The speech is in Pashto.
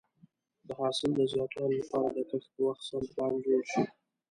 د حاصل د زیاتوالي لپاره د کښت په وخت سم پلان جوړ شي.